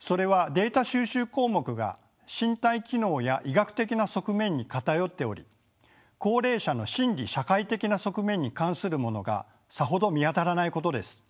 それはデータ収集項目が身体機能や医学的な側面に偏っており高齢者の心理社会的な側面に関するものがさほど見当たらないことです。